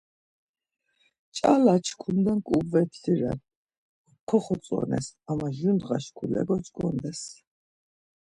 Ç̆ala çkunden kuvvetli ren koxotzones ama jur ndğa şkule goçk̆ondes...